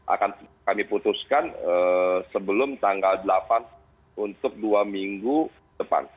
akan kami putuskan sebelum tanggal delapan untuk dua minggu depan